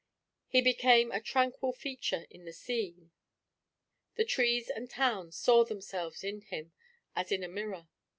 He became a tranquil feature in the scene. The trees and towns saw themselves in him, as in a mirror.